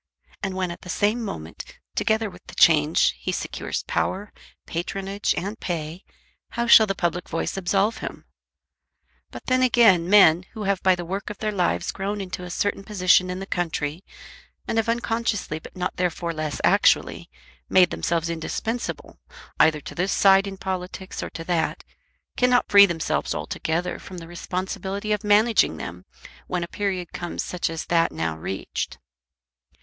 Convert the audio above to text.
And when at the same moment, together with the change, he secures power, patronage, and pay, how shall the public voice absolve him? But then again men, who have by the work of their lives grown into a certain position in the country, and have unconsciously but not therefore less actually made themselves indispensable either to this side in politics or to that, cannot free themselves altogether from the responsibility of managing them when a period comes such as that now reached.